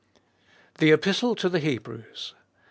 THE EPISTLE TO THE HEBREWS.